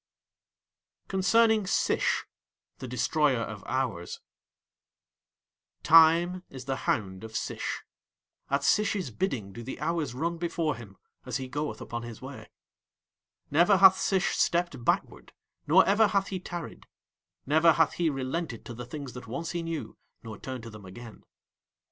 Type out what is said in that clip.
CONCERNING SISH (The Destroyer of Hours) Time is the hound of Sish. At Sish's bidding do the hours run before him as he goeth upon his way. Never hath Sish stepped backward nor ever hath he tarried; never hath he relented to the things that once he knew nor turned to them again.